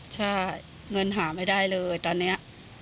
ใช่เงินหาไม่ได้เลยตอนนี้